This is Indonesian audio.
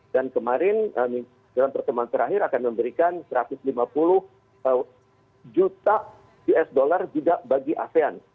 dan kemarin dalam pertemuan terakhir akan memberikan satu ratus lima puluh juta us dollar juga bagi asean